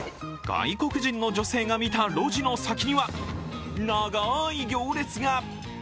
外国人の女性が見た路地の先には、長い行列が。